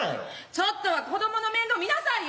ちょっとは子供の面倒見なさいよ。